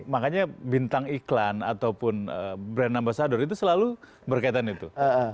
makanya bintang iklan ataupun brand ambasador itu selalu berkaitan itu